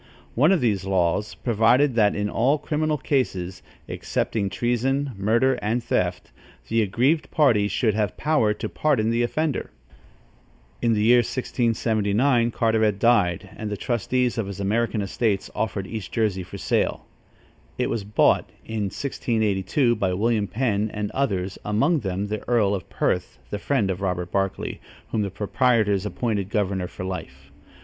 One of these laws provided that in all criminal cases, excepting treason, murder and theft, the aggrieved party should have power to pardon the offender. In the year 1679, Carteret died, and the trustees of his American estates offered East Jersey for sale. It was bought, in 1682, by William Penn and others, among them the earl of Perth, the friend of Robert Barclay, whom the proprietors appointed governor for life.